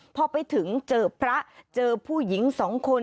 พอไปถึงเจอพระเจอผู้หญิงสองคน